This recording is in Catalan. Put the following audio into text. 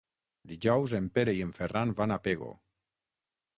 Dijous en Pere i en Ferran van a Pego.